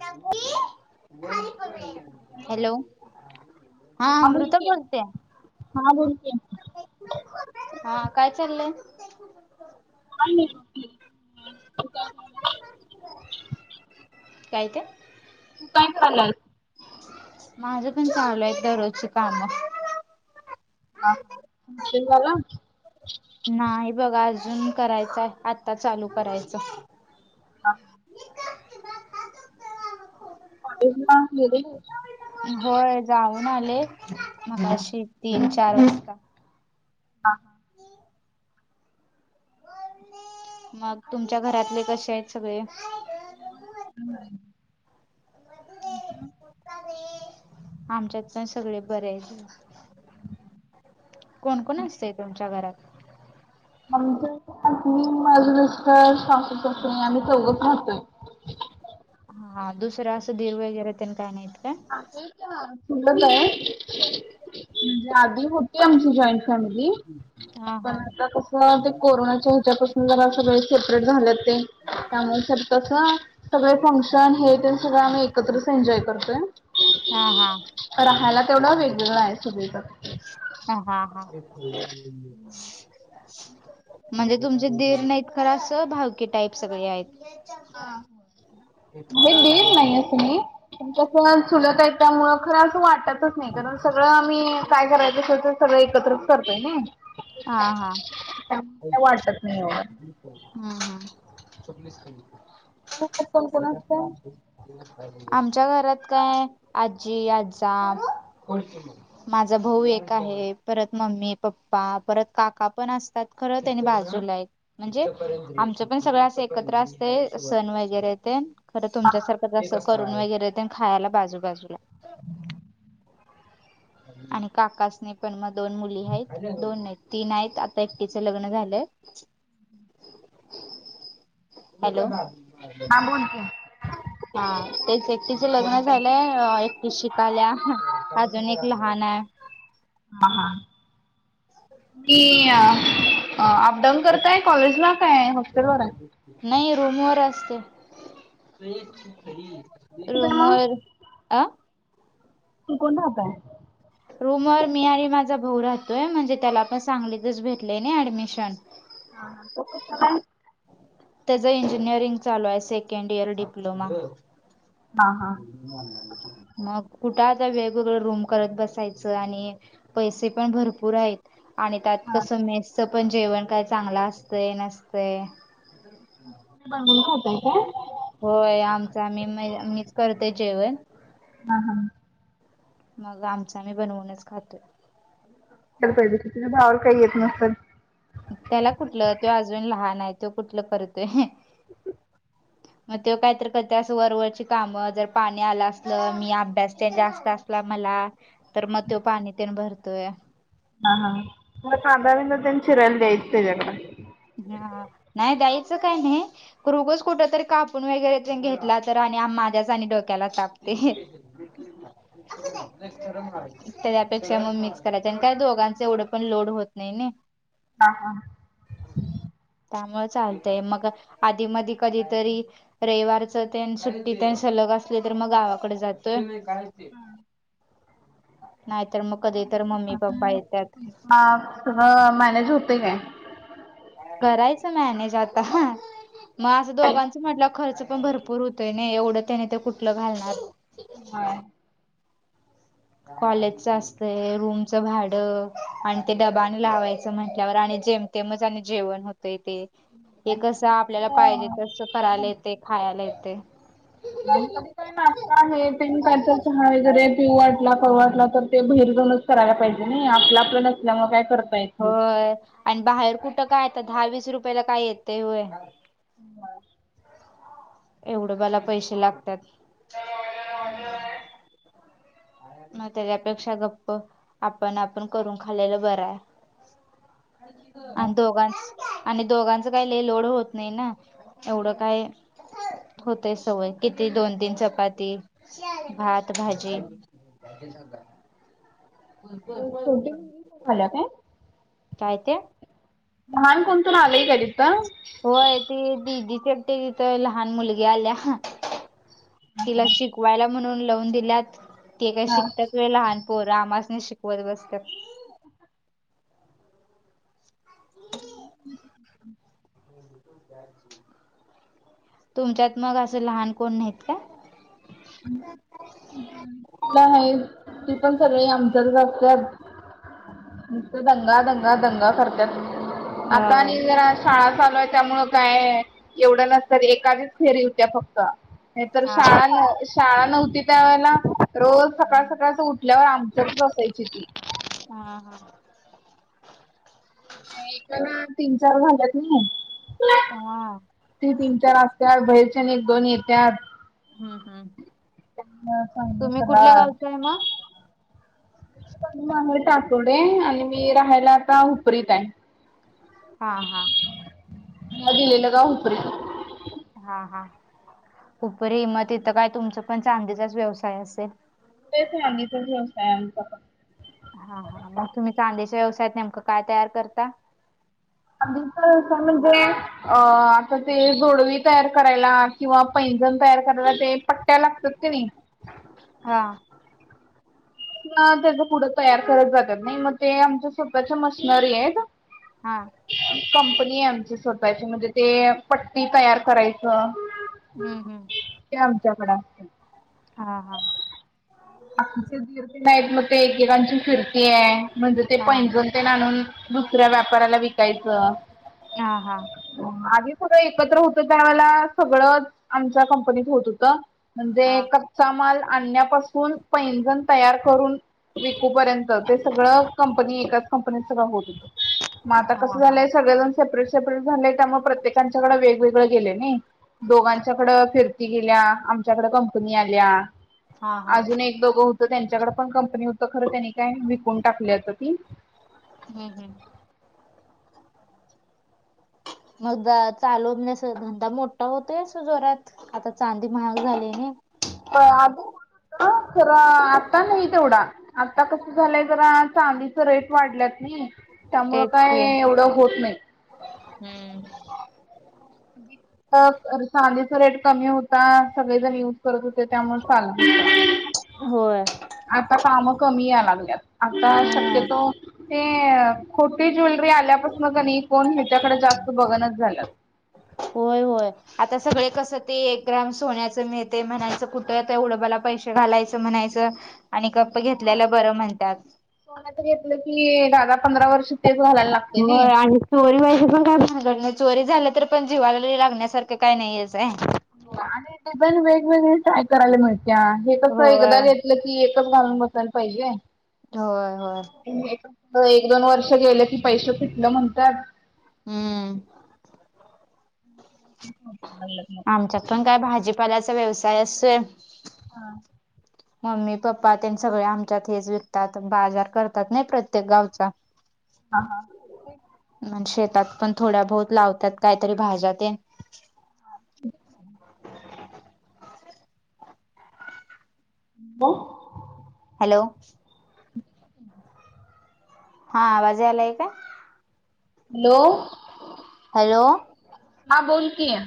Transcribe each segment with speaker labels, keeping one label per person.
Speaker 1: त मप हॅलो हा
Speaker 2: बोल
Speaker 1: अमृता
Speaker 2: की
Speaker 1: बोलते
Speaker 2: हा बोल की
Speaker 1: हा काय चाललंय
Speaker 2: आणि
Speaker 1: काय ते
Speaker 2: तू काय चाला
Speaker 1: माझं पण चालू आहे दररोजची कामं
Speaker 2: हा हा तलाला
Speaker 1: नाही बघा अजून करायचंय आत्ता चालू करायचं
Speaker 2: हा कॉलेज ना मले
Speaker 1: होय जाऊन आले
Speaker 2: हा
Speaker 1: मगशी तीन चार वाजता
Speaker 2: हां हां
Speaker 1: मग तुमच्या घरातले कसे आहेत सगळे
Speaker 2: म
Speaker 1: आमच्यात पण सगळे बरे झा कोण कोण असतय तुमच्या घरात
Speaker 2: म्हणज मी माझे मिस्टर शास अस आणि चौघं राहतोय
Speaker 1: हा दुसरं असं दीर वगैरे त्यांनी काय नाहीत का
Speaker 2: आहे काुल आहे म्हणजे आधी होती आमची जॉईंट फॅमिली
Speaker 1: हा
Speaker 2: पण
Speaker 1: हा
Speaker 2: आता कस ते कोरोनाच्या हुच्यापासून जरा सगळे सेपरेट झाले ते त्यामुळे कस सगळे फंक्शन हे ते सगळं आम्ही एकत्रच एन्जॉय करतोय
Speaker 1: हा हा
Speaker 2: राहायला तेवढा वेगवेगळ आहे सगच
Speaker 1: ह हा हा म्हणजे तुमचे दीर नाहीत खर अस भावकी टाईप सगळे आहेत
Speaker 2: म्हण देन नाही असं मी कसं सुलत आहेत त्यामुळं खरं असं वाटतचंच नाही कारण सगळं आम्ही काय करायचं अस ते सगळं एकत्रच करतय ना
Speaker 1: हा हा.
Speaker 2: त्या का वाटतत नाही एढ
Speaker 1: चलीलीच्या
Speaker 2: कोण कोण असतं?
Speaker 1: आमच्या घरात काय आजी आजजा माझा भाऊ एक आहे परत मम्मी पप् पा परत काका पण असतात खरं त्यां त्यानी बाजूला म्हणजे आमचं पण सगळ असं एकत्र असते सण वगैरे तेन. खरं तुमच्यासारखं जसं करून वगैरे खायला बाजूबाजूला आणि काकास नाही पण मग दोन मुली आहेत दोन नाही तीन आहेत आता एकटीचं लग्न झालंय हॅलो
Speaker 2: मागोलत
Speaker 1: हा तेच एकटीच लग्न झालंय एकटी शिकाल्या अजून लहान अय.
Speaker 2: हा हा मी अपडाऊन करताय कॉलेजला काय हॉस्टेलवर आहे?
Speaker 1: नाही रूमवर असते. रूमवर अ?
Speaker 2: तू कोण राहातय?
Speaker 1: रूम वर मी आणि माझा भाऊ राहतोय म्हणजे त्याला पण सांगलीतच भेटले नाही ऍडमिशन.
Speaker 2: हा हा तो कशाला हाय?
Speaker 1: त्याचं इंजिनिअरिंग चालू आहे सेकंड इयर डिप्लोमा.
Speaker 2: हा हा.
Speaker 1: [inaudible] मग कुठं आता वेगवेगळ रूम करत बसायच आणि पैसे पण भरपूर आहेत. आणि त्यात
Speaker 2: हा
Speaker 1: कसं
Speaker 2: तुम्ही
Speaker 1: मेसच पण जेवण काय चांगलं असतंय नसतय.
Speaker 2: बनवून खातय का?
Speaker 1: होय आमच आमी मीच करते जेवण.
Speaker 2: हा हा.
Speaker 1: मग आमच आम्ही बनवूनच खातोय.
Speaker 2: [unintelligible] तूच्या भावाला काही येत नसल.
Speaker 1: त्याला कुठलं तो अजून लहान आहे तो कुठलं करतोय.
Speaker 2: [inaudible]
Speaker 1: [inaudible] मग तेव काहीतरी करते असं वरवरवरची कामं जर पाणी आलं असल मी अभ्यास त्यां जास्त असला मला तर मग त्यों पाणी तेन भरतोय.
Speaker 2: हा हा म कांदा बिंदा तेन चिरायला द्यायचं तेजाकड.
Speaker 1: हा नाही द्यायचं काय नाही. खरं उगाच कुठ तर कापून वगैरे घेतला तर आणि माझ्याच आणि डोक्याला ताप ते. [inaudible] त्या त्यापेक्षा मग मिच करायच् आणि काय दोघांच एवढं पण लोड होत नाही नई.
Speaker 2: हा हा.
Speaker 1: त्यामुळे चालतय मग आधी मधी कधीतरी रविवारच ते सुट्टीत सलग असली तर मग गावाकडे जातोय. नाहीतर मग कधी तर मम्मी पप्पा येत्यात.
Speaker 2: हा सगळ मॅनेज होते काय?
Speaker 1: करायचं मॅनेज आता मग असं दोघांच म्हटलं खर्च पण भरपूर होतोय ना एवढं त्याने ते कुठलं घालणार
Speaker 2: होय
Speaker 1: कॉलेजच असतय रूमचं भाडं आणि ते डबाने लावायचं म्हटल्यावर आणि जेम ते मझ आणि जेवण होत तय ते हे कसं आपल्याला पाहिजे तस करायला येते खायला येतय.
Speaker 2: [unintelligible] नास्ता आहे पण कायत चहा वगैरे पिऊ वाटला खाऊ वाटला तर ते बहीर जाऊनच करायला पाहिजे नाही आपलं आपलं नसल्यामुळे काय करत
Speaker 1: होय आणि बाहेर कुठं काय आता दहा वीस रुपयाला काय येतंय होय.
Speaker 2: ह
Speaker 1: एवढं मला पैसे लागतात मग त्याच्यापेक्षा गप्प आपण आपण करून खाल्लेलं बरं आहे अन दोघान आणि दोघांचं काही लय लोड होत नाही ना एवढं काय होतेय सवय किती दोन तीन चपाती भात त भाजी
Speaker 2: छोटी मुलगी पण आल्या काय?
Speaker 1: काय ते
Speaker 2: लहान कोणतरी आलंय तिथं
Speaker 1: होय ती दिदी चेपटे तिथं लहान मुलगी आल्या तिला शिकवायला म्हणून लावून दिल्यात ते काय
Speaker 2: हा.
Speaker 1: शिकतात- ते लहानपोर आम्हासनी शिकवत बसतात
Speaker 2: हम्
Speaker 1: तुमच्यात मग असं लहान कोण नाहीत का
Speaker 2: म्ह [inaudible] आहे ती पण सगळे आमच्याच असत [inaudible] नुसत दंगा दंगा दंगा करतात आता
Speaker 1: हा.
Speaker 2: आणि जरा शाळा चालु आहे त्यामुळे काय एवढं नसत एखादीच फेरी होत्या फक्त हे तर
Speaker 1: हा हा
Speaker 2: शाळा न शाळा नव्हती त्या वेळेला रोज सकाळ सकाळच उठल्यावर आमच्यातच असायची ती
Speaker 1: हा हा
Speaker 2: एका ना तीन चार झाल्यात न
Speaker 1: हा
Speaker 2: ते तीन चार असत बाहेरच्यांना एक दोन येत्यात
Speaker 1: हम्म हम्म.
Speaker 2: बस व
Speaker 1: तुम्ही कुठल्या
Speaker 2: सलाम
Speaker 1: गावच
Speaker 2: [inaudible]
Speaker 1: आहे मग?
Speaker 2: म आहे आटोडे आणि मी राहायला आता उपरीत आहे
Speaker 1: हा हा
Speaker 2: मला दिलेल गाव हुपरी
Speaker 1: हा हा उपर हिमत इथं काय तुमचं पण चांदीचाच व्यवसाय असेल
Speaker 2: तेच चांदीचाच व्यवसाय आहे आमचा पण
Speaker 1: हा हा मग तुम्ही चांदीच्या व्यवसायात नेमकं काय तयार करता
Speaker 2: आम्ही सहसा म्हणजे अ आता ते जोडवी तयार करायला किंवा पैजण तयार करायला ते पट्ट्या लागतात कानी
Speaker 1: हा
Speaker 2: त्याच पुढं तयार करत जातात नाही मग ते आमच्या सोप्याच्या मशनरी आहेत
Speaker 1: हा
Speaker 2: कंपनी आमची स्वतःची म्हणजे ते पट्टी तयार करायचं
Speaker 1: हम्म हम्म
Speaker 2: ते आमच्याकडे असत
Speaker 1: हा हा
Speaker 2: आखचे गिरते नाही मग ते एकेकांची फिरते [inaudible] ते म्हणजे ते
Speaker 1: हा
Speaker 2: पैंजण ते आणुन दुसऱ्या व्यापाराला विकायचं
Speaker 1: हा हा
Speaker 2: आधी कुठ एकत्र होत त्यावेळे सगळंच आमच्या कंपनीत होत होत
Speaker 1: हा
Speaker 2: म्हणजे कच्चा माल आणण्यापासून पैंजण तयार करून विकू पर्यंत ते सगळं कंपनी एकाच कंपनी सगळं होत होत मग आता
Speaker 1: हा
Speaker 2: कसं
Speaker 1: हा.
Speaker 2: झालंय सगळंजण सेपरेट सेपरेट झालेय त्यामुळे प्रत्येकांच्याकडें वेगवेगळं गेले नाही दोघांच्याकड फिरती गेल्या आमच्याकड कंपनी आल्या
Speaker 1: हा हा
Speaker 2: अजून एक दोघं होत त्यांच्याकडे पण कंपनी होत खरं त्यांनी काय विकून टाकली होत ती
Speaker 1: हम्म हम्म मगदा चालू म्हस धंदा मोठा होतोय अस जोरात आता चांदी महाग झाली नाही.
Speaker 2: आधीण होत खरं आता नाही तेवढा. आता कसं झालंय जरा चांदीच रेट वाढल्यात नाही त्यामुळं
Speaker 1: तेच
Speaker 2: काय
Speaker 1: की
Speaker 2: एवढं होत नाही
Speaker 1: हम्म
Speaker 2: चांदीचा रेट कमी होता सगळे जणी करत होते त्यामुळे चाल
Speaker 1: होय
Speaker 2: आता काम कमी या लागल्यात आता
Speaker 1: हा
Speaker 2: शक्यतो ते खोटी ज्वेलरी आल्यापासून क नाही कोण ह्याच्याकडे जास्त बघणच झालं
Speaker 1: होय होय आता सगळे कसं ते एक ग्राम सोन्याचं मिळते म्हणायचं कुठंता उडबाला पैसे घालायचं म्हणायचं आणि गप्प घेतल्याला बरं म्हणतात
Speaker 2: त घेतलं कि दादा पंधरा वर्ष तेच घालायला लागते नाही.
Speaker 1: होय आणि चोरी वयज पण काय नाही चोरी झाल्या तर पण जीवाला लागण्यासारखं काय नाहीच आहे.
Speaker 2: हो आणि डिझाईन वेगवेगळे ट्राय करायला मिळते्या हे कस एकदा
Speaker 1: होय.
Speaker 2: घ की एकच घालून बसायला पाहिजे.
Speaker 1: होय होय.
Speaker 2: एक दोन वर्ष गेलं की पैसे फिटलं म्हणतात.
Speaker 1: हम्म
Speaker 2: [inaudible]
Speaker 1: आमच्यात पण काय भाजीपाल्याचा व्यवसाय असोय.
Speaker 2: हा
Speaker 1: मम्मी पप्पा त्यां सगळे आमच्यात हेच विकतात बाजार करतात नाही प्रत्येक गावचा.. [inaudible]
Speaker 2: हा हा
Speaker 1: शेतात पण थोड्या बहुत लावतात काहीतरी भाज्यात.
Speaker 2: हो
Speaker 1: हॅलो! हा आवाजे आलाय का?
Speaker 2: हॅलो!
Speaker 1: हॅलो!
Speaker 2: हां बोलकी आहे.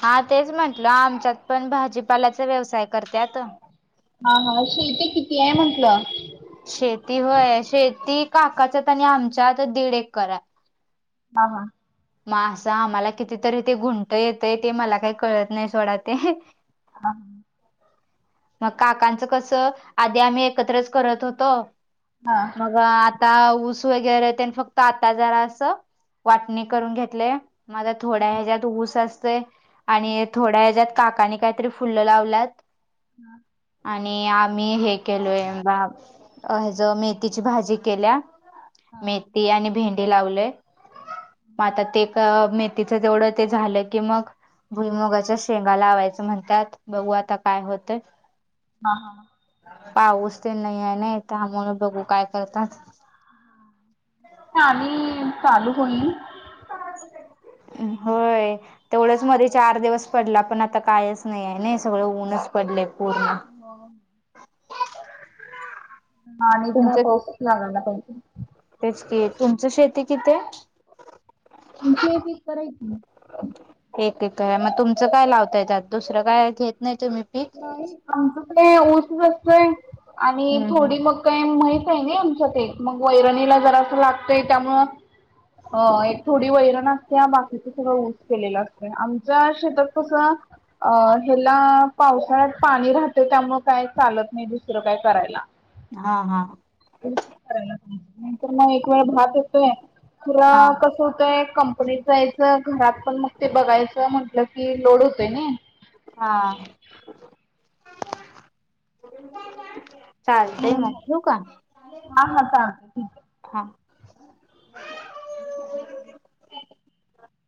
Speaker 1: हा तेच म्हंटलं आमच्यात पण भाजीपालाचा व्यवसाय करतत.
Speaker 2: हा हा असथे किती आहे म्हंटलं.
Speaker 1: शेती होय शेती काकाच्या आणि आमच्या तर दीड एक करा.
Speaker 2: हा हां.
Speaker 1: मग असं आम्हाला कितीतरी ते घुंट येतं ते मला काही कळत नाही सोडा ते.
Speaker 2: हा.
Speaker 1: मग काकांचं कसं आधी आम्ही एकत्रच करत होतो
Speaker 2: हा
Speaker 1: मग. आता ऊस वगैरे त्यांनी फक्त आता जरा असं वाटणी करून घेतले. माझा थोड्या ह्याच्या्यात ऊस असतय आणि थोड्या ह्याच्या्यात. काकाने काहीतरी फुलं लावल्यात.
Speaker 2: हम.
Speaker 1: आणि आम्ही हे केलोय बा ह ज मेथीची भाजी केल्या. मेथी आणि भेंडी लावले मग आता ते म तिचं तेवढं ते झालं की मग. भुईमगाच्या शेंगा लावायचं म्हणतात बघू आता काय होतं.
Speaker 2: हा हा.
Speaker 1: पाऊस ते नाही आहे ना त्यामुळे बघू काय करतात.
Speaker 2: ली चालू होईल.
Speaker 1: ् होय तेवढंच मध्ये चार दिवस. पडला पण आता कायच नाही आहे ना, सगळं ऊनच पडलेय पूर्ण.
Speaker 2: [unintelligible] आणि जरा
Speaker 1: तुमचं
Speaker 2: पाऊसच लागयला पाहिजे.
Speaker 1: तेच की, तुमची शेती किती आहे?
Speaker 2: तुमची एक एकर आहे की.
Speaker 1: एक एक आहे मग तुमचं काय लावताय त्यात दुसरं काय घेत नाही तुम्ही पीक
Speaker 2: नाही आमचं ते ऊसच असतय. आणि
Speaker 1: हम्म
Speaker 2: थोडी
Speaker 1: हम्म
Speaker 2: मग. काही माहीत आहे ना आमच्या ते मग वैरणीला जरा असं लागतंय त्यामुळ. अ एक थोडी वैर न असते बाकीच सगळं ऊस केलेला असत आमच्या शेतात कसं. अ ह्याला, पावसाळ्यात पाणी राहतं त्यामुळं काय चालत नाही दुसरं काय करायला.
Speaker 1: हा हा
Speaker 2: करायला पाहिजे, नंतर म एक वेळ भात येतोय -
Speaker 1: हा
Speaker 2: पुन्हा कसं होतंय कंपनी जायचं, घरात पण मग ते बघायचं म्हंटलं की, लोड होतोय नाही.
Speaker 1: हा चालतंय
Speaker 2: म्हणून
Speaker 1: मग ठेऊ का?
Speaker 2: मग हा हा चालतंय ठीक आहे
Speaker 1: हा